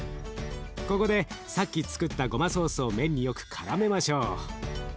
ここでさっきつくったごまソースを麺によくからめましょう。